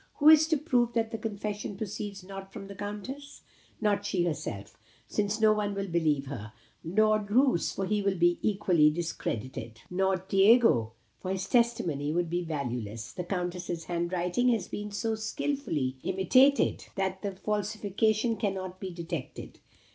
Who is to prove that the confession proceeds not from the Countess? Not she herself; since no one will believe her. Not Lord Roos; for he will be equally discredited. Not Diego; for his testimony would be valueless. The Countess's hand writing has been so skilfully imitated, that the falsification cannot be detected.